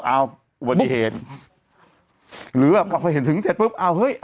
เอาอุบัติเหตุหรือแบบพอเห็นถึงเสร็จปุ๊บอ้าวเฮ้ย